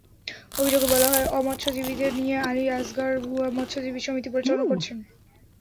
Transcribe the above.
অভিযোগে বলা হয়, অ-মৎস্যজীবীদের নিয়ে আলী আজগার ভুয়া মৎস্যজীবী সমিতি পরিচালনা করছেন।